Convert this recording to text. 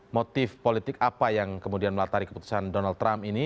motif politik apa yang kemudian melatari keputusan donald trump ini